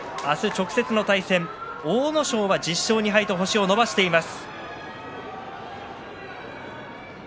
阿武咲は１０勝２敗と星を伸ばしています。